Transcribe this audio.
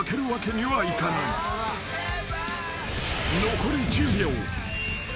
［残り１０秒］